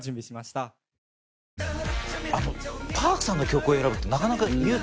Ｐａｒｋさんの曲を選ぶって。